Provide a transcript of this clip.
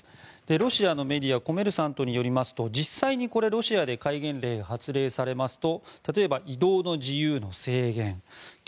ロシアのメディアコメルサントによりますと実際にロシアで戒厳令が発令されますと例えば移動の自由の制限